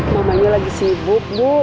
mamanya lagi sibuk bu